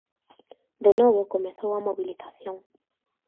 De novo comezou a mobilización.